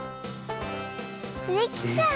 できた。